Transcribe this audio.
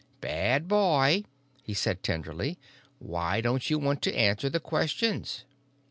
"Bad boy," he said tenderly. "Why don't you want to answer the questions?"